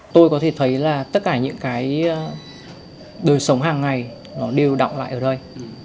tôi có thể thấy là tất cả những cái đời sống hàng ngày nó đều động lại ở đây